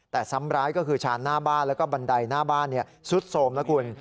แต่ซ้ำร้ายก็คือชานหน้าบ้านแล้วก็บันไดหน้าบ้านซุดโทรมนะคุณ